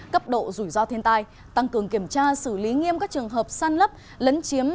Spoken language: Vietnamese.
cấp độ rủi ro thiên tai tăng cường kiểm tra xử lý nghiêm các trường hợp săn lấp lấn chiếm